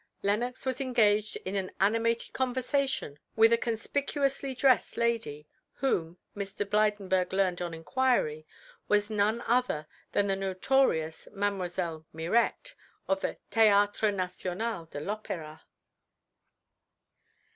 Lenox was engaged in an animated conversation with a conspicuously dressed lady, whom, Mr. Blydenburg learned on inquiry, was none other than the notorious Mlle. Mirette, of the Théâtre National de l'Opéra.